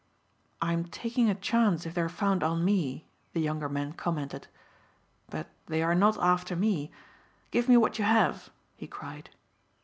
"I'm taking a chance if they are found on me," the younger man commented. "But they are not after me. Give me what you have," he cried.